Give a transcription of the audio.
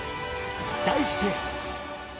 題して。